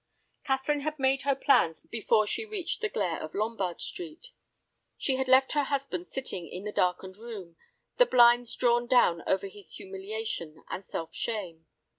Catherine had made her plans before she reached the glare of Lombard Street. She had left her husband sitting in the darkened room, the blinds drawn down over his humiliation and self shame.